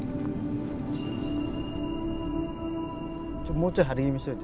もうちょい張り気味にしておいて。